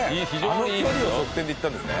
あの距離を側転で行ったんですね。